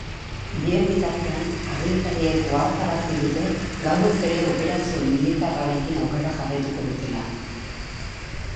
Bien bitartean, agintariek ohartarazi dute gauez ere operazio militarrarekin aurrera jarraituko dutela.